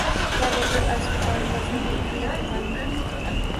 کیا liberalism اور مذہب میں کہیں اعتدال نہیں ہوتا؟